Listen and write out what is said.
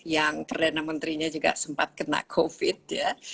yang perdana menterinya juga sempat kena covid ya